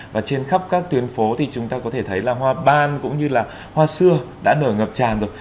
và trên khắp các tuyến phố thì chúng ta có thể thấy là hoa ban cũng như là hoa xưa đã nổi ngập tràn rồi